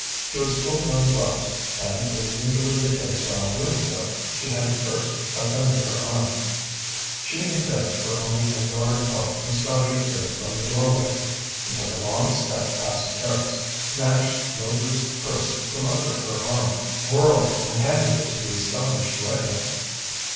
She was pulling on gloves, and as is usually the case while so doing, she had her purse tucked under her arm. She and Carrots were only a yard apart when Scotty appeared from the doorway. He took a long step past Carrots, snatched Mildred's purse from under her arm, whirled, and handed it to the astonished redhead.